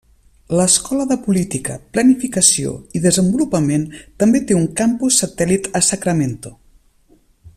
L'Escola de Política, Planificació i Desenvolupament també té un campus satèl·lit a Sacramento.